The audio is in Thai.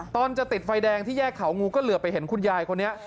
ตอนจะติดไฟแดงที่แยกเขางูก็เหลือไปเห็นคุณยายคนนี้